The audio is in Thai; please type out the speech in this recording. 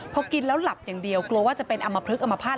พอกินแล้วหลับอย่างเดียวกลัวว่าจะเป็นอำมพลึกอมภาษณ